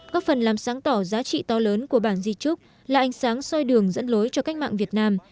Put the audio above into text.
có phần làm sáng tỏ giá trị to lớn của bản di trúc là ánh sáng soi đường dẫn lối cho cách mạng việt nam